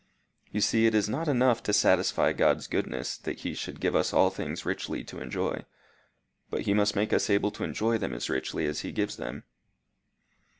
You see it is not enough to satisfy God's goodness that he should give us all things richly to enjoy, but he must make us able to enjoy them as richly as he gives them.